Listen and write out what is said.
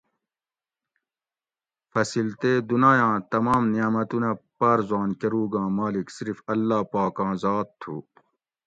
فصل تے دُنایاں تمام نعمتونہ پارزوان کۤروگاں مالک صرف اللّہ پاکاں ذات تُھو